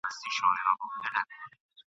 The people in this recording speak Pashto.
خر خپل او پردي فصلونه نه پېژني ..